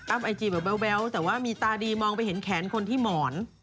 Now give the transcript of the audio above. ไอจีแบบแววแต่ว่ามีตาดีมองไปเห็นแขนคนที่หมอน